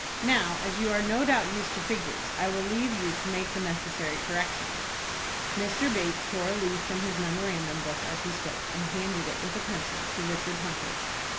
Now, as you are do doubt used to figures, I will leave you to make the necessary correction." Mr. Bates tore a leaf from his memorandum book as he spoke, and handed it with a pencil to Richard Hunter.